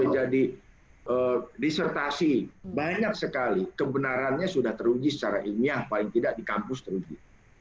jadi disertasi banyak sekali kebenarannya sudah terunggi secara ilmiah paling tidak di kampus terunggi